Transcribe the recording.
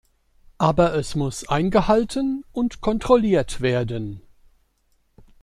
Aber es muss eingehalten und kontrolliert werden.